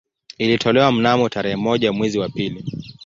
Ilitolewa mnamo tarehe moja mwezi wa pili